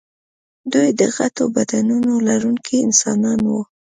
دوی د غټو بدنونو لرونکي انسانان وو.